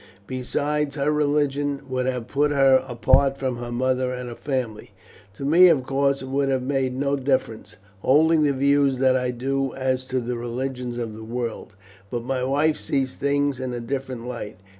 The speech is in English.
Besides, her religion would have put her apart from her mother and her family. To me, of course, it would have made no difference, holding the views that I do as to the religions of the world; but my wife sees things in a different light.